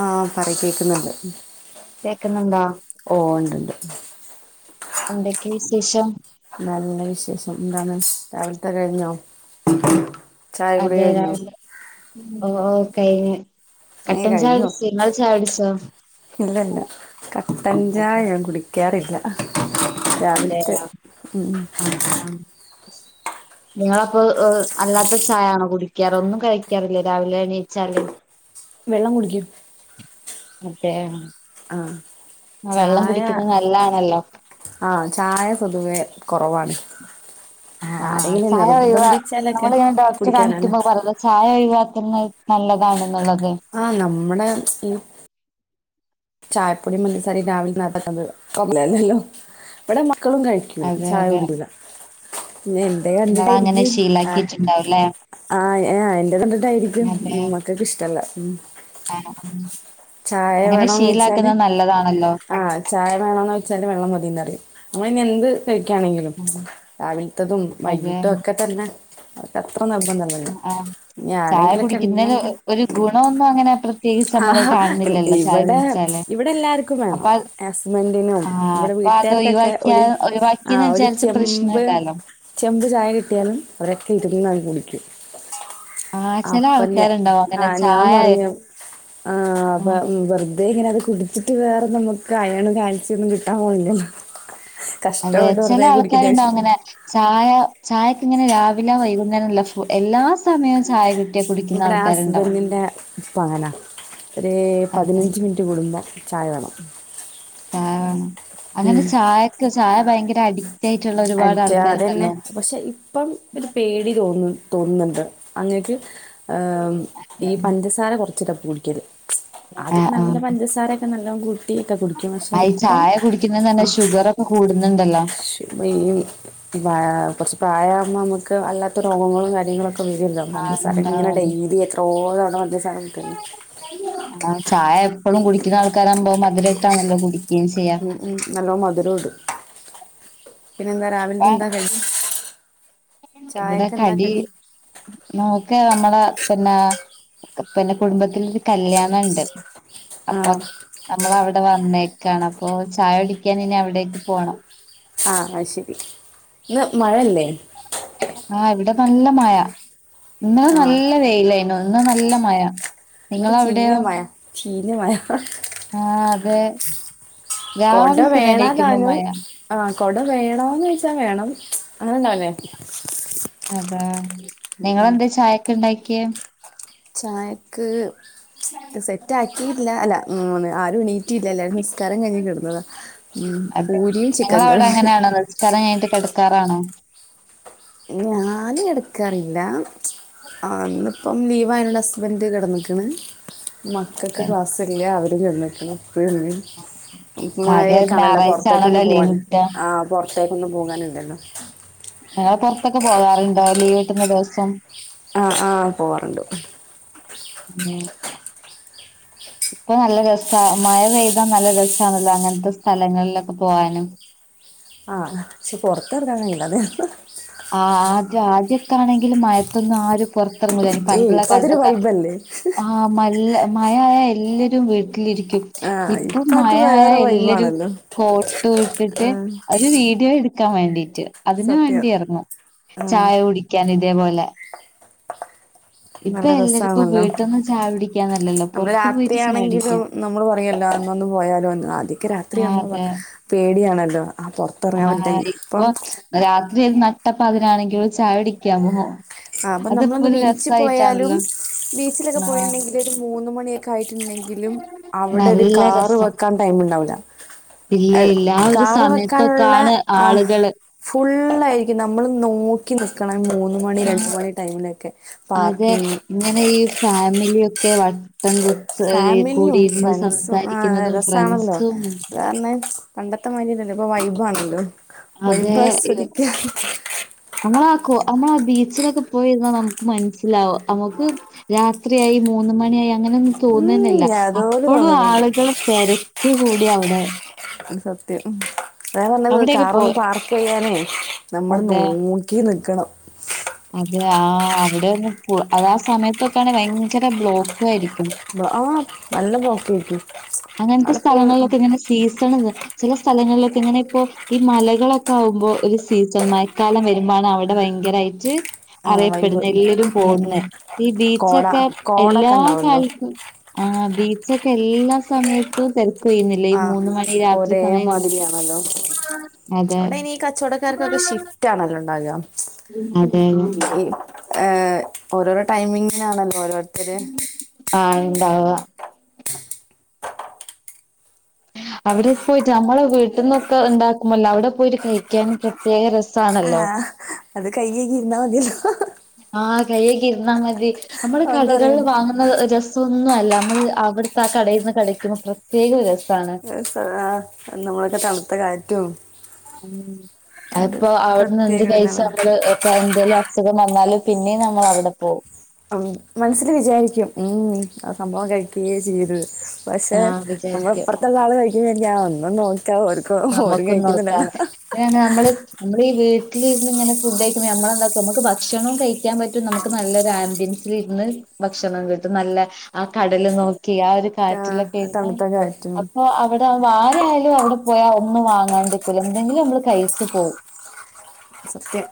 ആഹ് പറി കേക്കുന്നുണ്ട് കേക്കുന്നുണ്ടോ ഓ ഉണ്ട്ണ്ട് എന്തൊക്കെ വിശേഷം നല്ല വിശേഷം എന്താണ് രാവലത്തെ കഴിഞ്ഞോ ചായ കുടി അതെത കഴിഞ്ഞോ ഓഓ കഴിഞ്ഞു ഏഹ് കട്ടൻ ചായാ കഴിഞ്ഞു കുടിച്ചു നിങ്ങള് ചായ കുടിച്ചോ ഇല്ലല്ല കട്ടൻചായ ഞൻ കുടിക്കാറില്ല രാവിലത്തെ അതെയോ നിങ്ങള അപ്പോഅല്ലാത്ത ചായാണ് കുടിക്കാറ് ഒന്നും കഴിക്കാറില്ലേ രാവിലെ എണീച്ചാല് വെള്ളം കുടിക്കും അതെ ആഹ് ആ, വെള്ളം ചായ കുടിക്കുന്നത് നല്ലാണല്ലോ ആഹ ചായ പൊതുവെ കുറവാണ് ആ ആരെങ്കിലും ചായ ഒഴ നിർബന്ധിച്ചാലൊക്കെ നമ്മള ഇങ്ങനെ ഡോക്ടറെ കുടിക്കാനാണ് കാണിക്കുമ്പോ പറഞ്ഞല്ല ചായ ഒഴ നല്ലതാണെന്നുള്ളത് ആ നമ്മുടെ ചായപ്പൊടിഉം പഞ്ചസാരയും രാവിലെ രാവിലെല്ലോ ഇവിടെ മക്കളും കഴിക്കില്ല അതെ ചായ അതെ കുടികുല പിന്നെ എന്റെ നിങ്ങള് അങ്ങനെ കണ്ടിട്ടായിരിക്കും ശീലാക്കിയിട്ടുണ്ടാവുംല്ലേ ആഹ് എന്റെ കണ്ടിട്ടായിരിക്കും അതെ മമ്മക്കൊക്കെ ഇഷ്ടമല്ല ആഹ് ചായ അങ്ങനെ വേണന്ന് ചോച്ചാല് ശീലാക്കുന്നത് നല്ലതാണല്ലോ ആ ചായ വേണന്ന് വെച്ചാല് വെള്ളം മതിന്നറിയും നമ്മൾ ഇനി എന്ത് കഴിക്കുകയാണെങ്കിലും ഉം രാവിലത്തതും അതെ വൈകിട്ടും ഒക്കെ തന്നെ അവ അത്ര നിർബന്ധല്ലോ ആ ചായ ആരെങ്കിലൊക്കെ കുടിക്കുന്നതില് ഉണ്ടെങ്കിൽ ഒരു ഗുണമൊന്നും അങ്ങനെ പ്രത്യേകിച്ച് ആ നമ്മള് കാണുന്നില്ലല്ലോ ചായ ഇവിടെ കുടിച്ചാല് ഇവിടെ എല്ലാർക്കും അപ്പൊ വേണം അത് ഹസ്ബന്റിനും ആ ഇവിടെ അപ്പൊ അത് വീട്ടുകാർക്കൊക്കെ ഒഴിവാക്കിയാ ഒരു ആ ഒഴിവാക്കിന്ന് ഒരു വിചാരിച്ച് ചെമ്പ് പ്രശ്നമില്ലല്ലോ ചെമ്പ് ചായ കിട്ടിയാലും അവരൊക്കെ ഇരുന്ന കുടിക്കും ആ ചില അപ്പൊ ആൾക്കാരുണ്ടാവും അങ്ങനെ ആഹ ഞാൻ ചായ പറഞ്ഞു ആ ആ അപ്പൊറ അത ഇങ്ങനെ അത് കുടിച്ചിട്ട് വേറെ നമുക്ക് അയണ് കാഴ്ചയൊന്നും കിട്ടാൻ പോവില്ല അതെ ചില ആൾക്കാരുണ്ടാവും അങ്ങനെ ചായ ചായക്ക ഇങ്ങനെ രാവിലെ വൈ ഇങ്ങന എല്ലാ സമയവും ചായ കിട്ട ഇവിടെ ഹസ്ബൻറിന്റെ ഇപ്പ അങ്ങനാ ഒരു അതെ പതിനഞ്ച് മിനിറ്റ് കൂടുമ്പോ ചായ വേണം ചായ വേണം അങ്ങനെ ഉം ചായക്ക് ചായ ഭയങ്കര അടി അഡിക്റ്റ അതന്നെ പക്ഷെ ഇപ്പം ഒരു പേടി തോന്നുന്നു തോന്നണ്ട് അങ്ങക്ക് ഈ പഞ്ചസാര കുറച്ചിട്ട പടിക്കിയത് ആ ആദ്യ ആ നല്ല പഞ്ചസാരൊക്കെ നല്ല ക്കെ കുടിക്കും പക്ഷെ ആ ഈ ഇപ്പം ചായ കുടിക്കുന്നത് തന്നെ ആ ഷുഗറൊക്കെ കൂടുന്നുണ്ടല്ലോ ശ ഈ കുറച്ചച്ച് പ്രായമാകുമ്പോ നമുക്ക് അല്ലാത്ത രോഗങ്ങളും കാര്യങ്ങളും ആ പഞ്ചസാര ഇങ്ങനെ ഉണ്ടാവും ഡെയിലി എത്രോ തവണ പഞ്ചസാര കട്ടന്ന് ആ ചായ എപ്പഴും കുടിക്കുന്ന ആൾക്കാരാവകുമ്പോ മധുരമായിട്ടാ നല്ലോ കുടി ഉം ഉം നല്ലോ മധുരം ഇട പിന്നെ എന്താ രാവില അപ്പ എന്താ കഴി ഇവിടെ കടി നോക്ക് നമ്മ പിന്നെ പിന്നെ കുടുംബത്തിരു കല്യാണം ഉണ്ട് ആ അപ്പൊ നമ്മളവി അവിടെ വന്നേക്കാണ് അപ്പൊ ചായ ഒടിക്കാൻ ഇനി അവിടേക്ക് പോണം ആഹ ശരി ഇന്ന് മഴയല്ലേ ആഹ ഇവിടെ നല്ല മഴ ഇന്നെ ആ നല്ല വേയിലായിരുന്നു അ നല്ല മഴ ഇവിടെ ചീഞ്ഞ നിങ്ങളവിടെയോ മഴ ചീഞ്ഞ മഴ ആ അതെ കൊട രാവിലെ തന്നെ വേണ എണീക്കുമ്പോ താനും മഴ ആ കൊട വേണന്ന് ചോച്ച വേണം അങ്ങനെണ്ടാവല്ലേ അതാ നിങ്ങെന്താ ചായൊക്കെ ഉണ്ടക്ക്ിയ ചായക്ക് ആ സെറ്റ് ആക്കിയിട്ടല്ല അല്ല ആരും എണീറ്റിയില്ല എല്ലാരും നിസ്കാരം കഴിഞ് കിടന്നതാ ഉ അതെ പൂരിയും ചിക്കൻ ഞങ്ങളവിടെ കറി അങ്ങനെയാണോ നിസ്കാരം കഴിഞ്ഞട്ട് കിടക്കാറാണോ ഞാന് എടുക്കാറില്ല ആഇന്ന് ഇപ്പം ലീവാ അപ്പോൾ ആ ഹസ്ബൻഡ് കിടന്നൽക്കണ മക്കൾക്ക് അതെ ക്ലാസ്സില്ലേ അവർ കിടന്ന്കുണു പിന്നെ ആകെ മഴയൊക്കൊണല്ലോ ഞായറാഴ്ച ആണല്ലോ പുറത്തേക്കൊന്ന് പോവാൻ ലീവ് കിട്ടാ ആ പുറത്ത് ത്തായിക്കൊന്നും പോകാനില്ലല്ലോ പുറത്ത്ഒക്കെ പോകാറുണ്ടോ ലീവ് കിട്ടുന്ന ദിവസം ആഹ ആഹ പോവാറുണ്ട് ആഹ ഇപ്പൊ നല്ല രസ മഴ പെയ്താൻ നല്ല രസമാണല്ലോ അങ്ങനത്തെ സ്ഥലങ്ങളിലൊക്കെ പോവാനും [inaudible] ആഹ് പക്ഷെ പുറത്തർക്കഴിയില്ല ഇക്ക്ണെങ്കിൽ മയത്തൊന്നും ആരും പുറത്തിറങ്ങ ഏയ് പണ്ടുള്ള ഇപ്പൊ അതൊരു വൈബല്ലേ കാലത്തൊക്കആമല്ല മഴയായ എല്ലരും വീട്ടിലിരിക്കും ആ ഇപ്പം ഇപ്പൊ അത് മഴയായ വേറെ എല്ലരും വൈബാണല്ലോ കോട്ട് ഇട്ടിട്ട് ഒരു വീഡിയോ എടു നിക്കാൻ വേണ്ടീട്ട് അതിന് സത്യം വേണ്ടിയിരുന്നുു ആഹ് ചായ കുടിക്കാൻ ഇതേപോലെ ഇപ്പൊ നല്ല എല്ലാർക്കും രസമാണല്ലോ വീട്ടിന്ന് ചായ കുടിക്കാന്നല്ലല്ലോ നമ്മള് പൊറത്ത് പോയിട്ട് ചായ രാത്രിയാണെങ്കിലു കുടിക്കാ നമ്മള് പറയല്ലോ ഒന്നൊന്ന് പോയാലോന്ന് ആ ദിക് രാത്രി ആഹ് ആകുമ്പോനമ്മ അതെ പേടിയാണല്ലോ ആ പൊറത്തിറങ്ങാൻ പറ്റ ആഹ് തൊഇപ്പം അപ്പൊ അതിനാണെങ്കിൽ ചായ കുടിക്കാമോോ ആ അപ്പൊ നമ്മളൊന്ന് ബിച്ച് പോയാലും ബീച്ചിലൊക്കെ ആഹ് പോയിട്ടുണ്ടെങ്കിൽ ഒരു മൂന്ന മണിയൊക്കെ ആയിട്ടുണ്ടെങ്കിലും അവിടെ ഒരു നല്ല കാറ് രസാ വെക്കാൻ ടൈം ഉണ്ടാവ ഇല്ല ഇല്ല ആ ഒരു കാറ് വെക്കാനുള്ള സമയത്തൊക്കാണ് ആ ആളുകള് ഫുൾ ഫുൾയിരിക്കും നമ്മൾ നോക്കി നിൽക്കണം മൂന്ന് മണി രണ്ട് ആഹ് മണി ടൈമിലൊക്കെ അതെ പാർക്കിങ് ഇങ്ങനെ ഈ ഫാമിലിയൊക്കെ വ കുട്ടം കുത്ത് ഫാമിലിയും കൂടിയിരുന്ന് ഫ്രണ്ട്സും ആ സംസാരിക്കുന്നതും ഫ്രണ്ട്സും അദ്യത്തെമാതിരി ഇല്ല ഇപ്പ വൈബ് ആണല്ലോ അതെ ഇരിന്നു നമ്മള ആക്കോ നമ്മള ആ ബീച്ചിലൊക്കെ പോയിരുന്നാ നമുക്ക് മനസ്സിലാവും നമുക്ക് രാത്രിയയി ഇക്ക്മൂന്ന്മണിയായി അങ്ങനൊന്നും ഉം തോന്നുന്നില്ല യാതോരു അപ്പോഴും തോന്നലില്ല ആളുകൾ തെരക്കി കൂടി അവിടെ സത്യം അത പറഞ്ഞത് അവിടെയൊക്കെ കാറ് പോ ഒന്ന് പാർക്ക് ചെയ്യാനേ നമ്മള് അതെ നോക്കി നിക്കണം അതെ ആ അവിടെ ഒന്ന് അത് ആ സമയത്തൊക്കെആണ്ഭയങ്കര ബ്ലോക്ക്ആയിരിക്കും ആ നല്ല പോക്കായിരിക്കും അങ്ങനത്തെ അവിടെ ഫുൾ സ്ഥലങ്ങളിലൊക്കെ ഇങ്ങനെ സീസൺ ചില സ്ഥലങ്ങളിലൊക്കെ ഇങ്ങനെ ഇപ്പോ ഈ മലകളൊക്കെ ആകുമ്പോ ഒരു സീസൺ മഴക്കാലം വരുമ്പോാണ് അവിടെ ഭയങ്കരമായി ആ വൈബ് അറിയപ്പെടുന്ന എല്ലാവരും ഉം പോകുന്ന ഉം ഈ കോട ബീച്ചൊക്കെ കോടൊക്കെ എല്ലാ ഉണ്ടാവല്ലോ കാലത്തും ആ ബീച്ചൊക്കെ എല്ലാ സമയത്തും തെരക്ക് പോയിരുന്നില്ല ഈ ആ മൂന്ന മണി രാത്രി ഒരേ സമയങ്ങളിലൊക്കെ മാതിരിയാണല്ലോ അതെ അവിടെ ഇനി ഈ കച്ചവടക്കാർക്കൊക്കെ ഷിഫ്റ്റ് ആണല്ലോ ഉണ്ടാകുക അതെ ഏഓരോരോ ടൈമിങ്ങിനാണല്ലോ ഓരോരുത്തര് ആഹ ഇണ്ടവാ അവിടെ പോയിട്ട് നമ്മള വീട്ടിൽന്നൊക്കെ ഉണ്ടാക്കുമ്പോല്ല അവിടെ പോയിട്ട് കഴിക്കാൻ പ്രത്യേക രസണ് ആ ഹല്ലോ അത് കയ്യ്കഴുകി ഇരുന്നാൽ മതില്ലോ ആഹ് കയ്യ കി ഇര്ന്നാ മതി. നമ്മൾ ഒന്നും കടകളിൽ അറിയാതെ വാങ്ങുന്ന രസൊന്നും അല്ല നമ്മള് അവിടുത്തെ ആ കടേന്ന് കഴിക്കുമ്പോ പ്രത്യേക ഒരു രസ സാ ആഹ് [unintelligible] തണുത്ത കാറ്റും ഉം അത് അതിപ്പോ അവിടുന്ന് എന്ത് പ്രത്യേക കഴിച്ച് ഇതാണല്ലോ മ്മള് ഇപ്പ എന്തേലും അസുഖം വന്നാലും പിന്നീം നമ്മള് അവിടെ പോവും ആഹ് മനസ്സില് വിചാരിക്കും ഉം ആ സംഭവം കഴിക്കേ ചെയ്യരുത് പക്ഷെ ആഹ് നമ്മടെ വിചാരിക്കും ഇപ്പറത്തുള്ള ആള് കഴിക്കുമ്പെ ര്ക്കും ആ ഒന്നു നോ നമുക്കും നോക്കാം ന്ന്. [unintelligible] ന ഞമ്മള് ഈ വീട്ടിലിരുന്ന് ഇങ്ങനെ ഫുഡ് കഴിക്കുമ്പോ നമ്മളെന്താക്കും നമുക്ക് ഭക്ഷണോം കഴിക്കാൻ പറ്റും നമുക്ക് നല്ലൊരു ആംബിയൻസില് ഇരുന്ന് ഭക്ഷണം കിട്ടും നല്ല ആ കടല് നോക്കി ആ ഒരു ആ, കാറ്റിലൊക്കിര്ന്ന് തണുത്ത കാറ്റും അപ്പൊ അവിടവുമ്പം ആരായാലും അവിടെ പോയാ ഒന്നും വാങ്ങാണ്ട്ക്കൂല എന്തെങ്കിലും നമ്മള് കഴിച്ചു പോവും സത്യം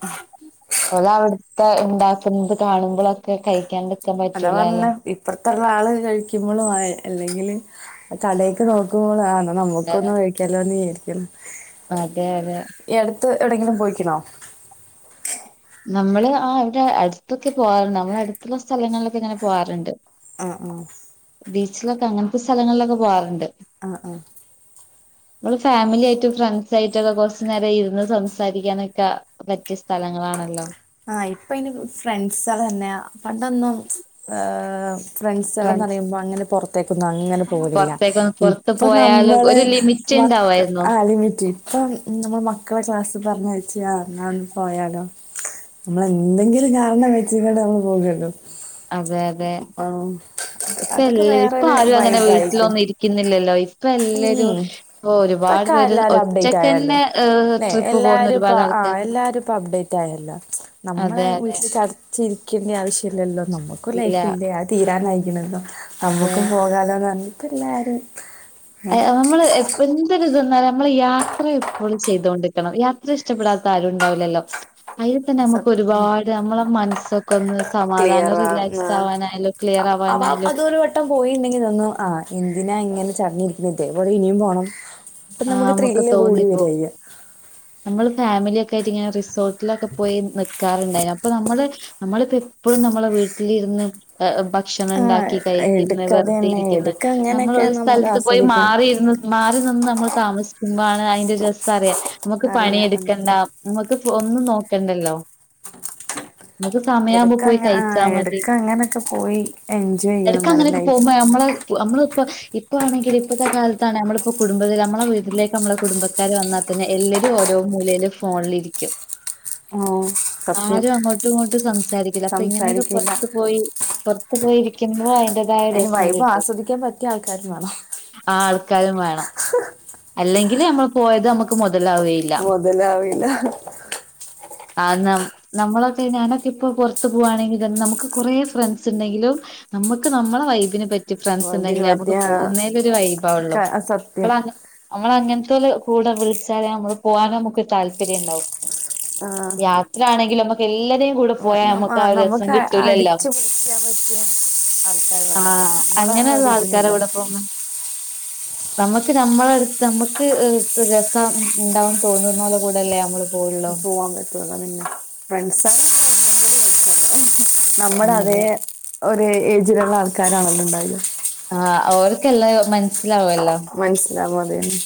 ഓലെ അവിടുത്തെ ഇണ്ടാക്കുന്നത് കാണുമ്പളൊക്കെ കഴിക്കാണ്ട് അതാ പറഞ്ഞ് ഇപ്പറത്തുള്ള ആള് കഴിക്കുമ്പളും ആ അല്ലെങ്കില് കടേയ്ക്ക് നോക്കുമ്പോളും ആ ന്നാ നമ്മുക്കൊന്നും കഴിക്കാല്ലോന്ന് വിചാരിക്കുള്ളു അതെ അതെ ത്ത് എവിടെങ്കിലും പോയിക്കണോ നമ്മള് ആ ഇവിടെ അടുത്തൊക്കെ പോവാറുണ്ട്. നമ്മള അടുത്തുള്ള സ്ഥലങ്ങളിലൊക്കെ ഇങ്ങനെ പോവാറുണ്ട് ആ ആഹ് ബീച്ചിലൊക്കെ അങ്ങനത്തെ സ്ഥലങ്ങളിലൊക്കെ പോവാറുണ്ട് ആഹ് ആഹ് മ്മള് ഫാമിലി ആയിട്ടും ഫ്രണ്ട്സ് ആയിട്ടൊക്കെ കൊറച്ചു നേരം ഇരുന്ന് സംസാരിക്കാനൊക്കെ പറ്റിയ സ് ഥലങ്ങളാണല്ലോ ഇപ്പ അയിന് ഫ്രണ്ട്സള് തന്നെയാ. പണ്ടൊന്നും ഏഹ് ഫ്രണ്ട്സ് ഫ്രണ്ട്സോളന്നറിയുമ്പോ അങ്ങനെ പുറത്തേക്കൊന്നും അങ്ങനെ പോവലില്ല പുറത്തേക്കൊന്ന് പുറത്ത് ഇപ്പൊ പോയാലും നമ്മള് ഒരു ലിമിറ്റ് മക്ക ഉണ്ടാവായിരുന്നു ആ ലിമിറ്റ് ഇപ്പം നമ്മള് മക്കളെ ക്ലാസ്സിൽ പറഞ്ഞയച്ച് ആ എന്ന ഒന്ന് പോയാലോ നമ്മൾ എന്തെങ്കിലും കാരണം വെച്ചിങ്ങട് നമ്മള് പോകുവല്ലോ അതെ അതെ ആഹ് ഇപ്പ അതൊക്കെ എല്ലരും ഇപ്പ വേറൊരു ആരും അങ്ങനെ വൈബായിരിക്കും. വീട്ടിലൊന്നും ഇരിക്കുന്നില്ലല്ലോ ഇ പ്പ എല്ലരും ഉം ഒരുപാട് ഇപ്പൊക്കെ പേര് എല്ലാരും അപ്ഡേറ്റ് ഒറ്റക്കന്നെ എ് ട്രിപ്പ് പോകുന്ന ഒരുപാട് ആൾ ആ എല്ലാരും ഇപ്പ അപ്ഡേറ്റ് ആയല്ലോ ച് നമ്മളെ അതെ അതെ വീട്ടില് ചടച്ചിരി ക്കുന്ന ആവശ്യല്ലല്ലോ നമുക്കും ഇല്ല ലൈഫില്ലേ അത് തീരാനായിക്ണു ന്നും അതെ നമുക്കും പോകാലോന്നറഞ്ഞ് പ്പല്ലാരും അയ നമ്മള് എ എന്തൊരു ത് വന്നാല നമ്മള് യാത്ര എപ്പളും ചെയ്തൊണ്ടിക്കണം യാത്ര ഇഷ്ടപ്പെടാത്ത ആരുണ്ടാവുലല്ലോ അയില് തന്നെ നമ്മുക്ക് സത്യം ഉം ഒരുപാട് നമ്മളെ മനസ്സൊക്കെ ഒന്ന് സമാധാനം റിലാക്സ് ആവാനായാലും ക്ലിയർ ആ അവ അതൊരു വട്ടം പോയിണ്ടെങ്കി തോന്നും ആഹ് എന്തിനാ ഇങ്ങനെ ചടങ്ങിരി ന്നിട്ടെ [unintelligible] ഇനിയും പോണം അപ്പൊ ആഹ് നമുക്ക് ത്രില്ല് കൂടി വരാ തോന്നിപ്പോവും ചെയ്യാ. നമ്മള് ഫാ മിലിക്കെയിട്ട് ഇങ്ങനെ റിസോർട്ടിലൊക്കെ പോയി നി ക്കാറ്ണ്ടായിരുന്നു. അപ്പ നമ്മള് നമ്മളിപ്പോ എപ്പഴും നമ്മളെ വീട്ടിലിരുന്ന് ആ ഭക്ഷണം ആ ഇണ്ടാ ക്കി കഴിക്കുന്ന് എടുക്ക അത് തന്നെ വെറുതെരിക്കുന്ന് എടുക്ക നമ്മൾ അങ്ങനെയൊക്കെ ഒരു സ്ഥലത്ത് പോയി ആസ്വദിക്കണം മാറി ഇരുന്ന് മാറി നിന്ന് നമ്മള് താമസിക്കുമ്പോ ആണ് അയിൻ്റെ രസറിയ നമുക്ക് അറിയാം അത് പണിയെടുക്കണ്ട നമ്മക്ക് ഫോ ഒന്നും നോക്കണ്ടല്ലോ നമുക്ക് സമയാവുമ്പോ എടുക്ക പോയി അങ്ങനെ ആ കഴിച്ചാ മതി എടുക്ക അങ്ങനൊക്കെ പോയി എൻജോയ് ചെയ്യണം എടക്ക് നല്ല അങ്ങനെയൊക്കെ ലൈഫ് പോവുമ്പോ ഞമ്മള് അമ്മളിപ്പോ ഇപ്പ ആണെങ്കില് ഇപ്പത്തെ കാലത്താണെ നമ്മളിപ്പോ കുടുംബത്തില് നമ്മ ളെ വീട്ടിലേക്ക് നമ്മളെ കുടുംബക്കാര് വന്നാ തന്നെ എല്ലരും ഓരോ മൂലേല് ഫോണിലിരിക്കും ഓ സത്യം ആരും അങ്ങോട്ടും ഇങ്ങോട്ടും സംസാരിക്കില്ല അപ്പൊ ഇങ്ങനെയൊക്കെ സംസാരിക്കില്ല പൊറത്തു പോയി പൊറുത്ത് പോയിരിക്കുമ്പോ അതിന്റേതായ അതിന് രസം വൈബ് കിട്ടും ആസ്വദിക്കാൻ പറ്റിയ ആൾക്കാരും വേണം ആൾ കാരുംവേണം അല്ലെങ്കില് നമ്മൾ പോയത് നമുക്ക് മൊ മൊതലാവില്ല ആ നം നമ്മളൊക്കെ ഞാനൊക്കിപ്പൊ പുറത്തു പോവാണെങ്കിൽതന്നെ നമുക്ക് കൊറേ ഫ്രണ്ട്സ്ണ്ടെങ്കിലും നമ്മുക്ക് നമ്മടെ വൈബിന് പ മറ്റ് വൈബിന് ഫ്രണ്ട്സുണ്ടെങ്കിൽ നമുക്ക് പറ്റിയ പോവുന്നേലൊരു വൈബാവുള്ളു ക സത്യം അപ്പളാണ് അങ്ങനത്തതില് കൂടെ വിളിച്ചാലേ നമ്മള് പോകാൻ നമുക്കൊരു താല്പര്യം ഉണ്ടാവു ആ യാത്ര ആണെങ്കില് നമ്മുക്കെല്ലാരെയും നമ്മ കൂടപ്പോയാ നമ്മ ആ, നമുക്കാ ഒരസം നമുക്ക് കിട്ടൂല അല്ലോ അടിച്ചു പൊളിക്കാൻ പറ്റിയ ആൾക്കാർ വേണല്ലോ ആഹ് നമ്മളെ ആ അങ്ങനെയുള്ള ഒരു ആൾക്കാരെ ഇതിനുള്ള കൂടെ പോന്നെ നമ്മക്ക് നമ്മളെ നമുക്ക് ഏഹ് രസം ഉണ്ടാവും തോന്നുന്നോരുടെ കൂടെല്ലേ നമ്മള് പോവുള്ളൂ പോവാൻ പറ്റുള്ളൂ പിന്നെ ഫ്രണ്ട്സ് [unintelligible] നമ്മുടെ അതേ അതെ ഒരു ഏജിലുള്ള ആൾക്കാരാണല്ലൊണ്ടാകുക ആ ഓർക്കെല്ലാം ഒരു മനസ് മനസ്സിലാകും അത് തന്നെ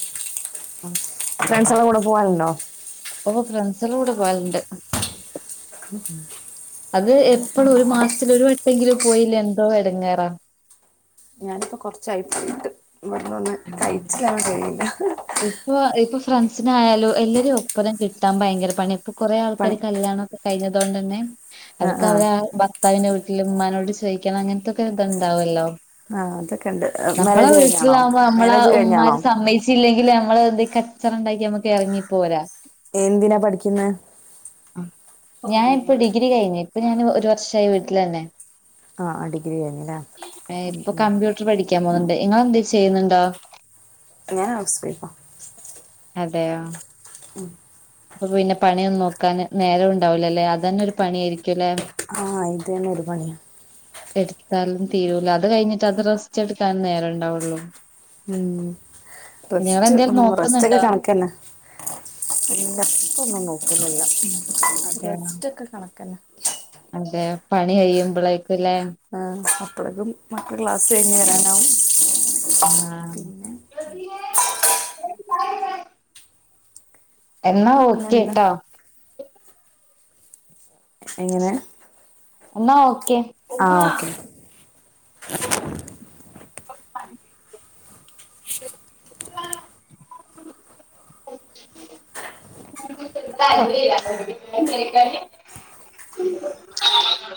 ഉംഹ് ഫ്രണ്ടസ് എല്ലാം കൂടെ പോകാറുണ്ടോ ഓഹ് ഫ്രണ്ട്സ്ടെകൂടെ പോകാറുണ്ട് ഉം അത് എപ്പളും ഒരുമാസത്തിലൊരു വട്ടെങ്കിലും പോയില്ലേ എന്തോ എടങ്ങേറാ ഞാനിപ്പോ കൊറച്ചായിട്ട് പോയിട്ട് ഇവടെ വന്ന് അതെ തയ്ച്ചിലാവാൻ കയിണില്ല ഇപ്പൊ ഇപ്പൊ ഫ്രണ്ട്സിനായാലും എല്ലാരേം ഒപ്പന്നെ കിട്ടാൻ ഭയങ്കര പണിയാ ഇപ്പ കുറേ പണി ആൾക്കാര് കല്യാണൊക്കെ കഴിഞ്ഞതോണ്ടന്നെ അവർക്ക് അവരെ ആ ഭർതാവിനെ വി വീട്ടിലുമ്മാനോട് ചോയിക്കണം അങ്ങനത്തൊക്കെത്ണ്ടാവല്ലോ ആ അതൊക്കെ ഉണ്ട് നമ്മളെ മാരേജ് കഴിഞ്ഞാണോ വീട്ടിലാവുമ്പോ നമ്മളെ മാരേജ് കഴിഞ്ഞാണോ ഉമ്മാര് സമ്മയി ഇല്ല നമ്മള് എന്തേം കച്ചറണ്ടാക്കി നമ്മുക്ക് ഇറങ്ങി പോരാ എന്തിനാ പഠിക്കുന്നെ ഞാനിപ്പൊ ഡിഗ്രി കഴിഞ്ഞു ഇപ്പൊ ഞാൻ ഒരു വർഷമായി വീട്ടിലന്നെ ആ ഡിഗ്രി കഴിഞ്ഞല്ലേ ഏഹ് ഇപ്പൊ കമ്പ്യൂട്ടർ പഠിക്ക ചൊമകൊണ്ട് നിങ്ങളെന്തേം ചെയ്യുന്നുണ്ടോ ഞാൻ ഹൗസ് വൈഫാ അതെയോ ഉം അപ്പൊപിന്നെ പണിയൊന്നും നോക്കാൻ നേരം ഉണ്ടാവില്ലല്ലേ അതന്നെ ഒരു പണിയായിരിക്കുംല്ലെ ആഹ് ഇത് തന്നെ ഒരുപണിയാ എടുത്താലും തീരൂല അത് കഴിഞ്ഞിട്ട് അത് റസ്റ്റ് എടുക്കാനും നേരണ്ടാവുള്ളു ഉം റെസ്റ്റ് ഒന്നും റെസ്റ്റൊക്കെ നോക്കുന്നുണ്ടോ കണക്ക് തന്നെ ഇപ്പൊന്നും നോക്കുന്നില്ല അതെയോ. റസ്റ്റൊക്കെ കണക്ക് തന്നെ അതെ പണി കയ്യുമ്പൊളെക്കും ആ അപ്പോളേക്കും മക്കള് ക്ലാസ്സ്കഴിഞ്ഞ് വരാനാവും ആ പിന്നെ എന്നാ പിന്നെന്താ ഓക്കെട്ടോ എങ്ങനെ എന്നാ ഓക്കെ ആ ഉമ്മാ ഓക്കെ ഇപ്പൊ പണിയില്ലേ ഉപ്പാ ഇതലുവയിലാ ഫുള്ളും കേൾക്കാന് ആഹ്